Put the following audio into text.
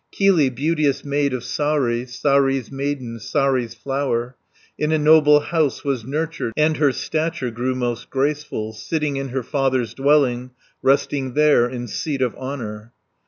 20 Kylli, beauteous maid of Saari, Saari's maiden, Saari's flower, In a noble house was nurtured. And her stature grew most graceful, Sitting in her father's dwelling, Resting there in seat of honour.